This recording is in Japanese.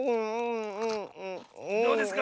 どうですか？